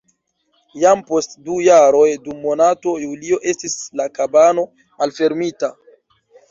Jam post du jaroj dum monato julio estis la kabano malfermita.